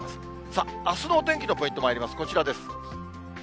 さあ、あすのお天気のポイントまいります、こちらです。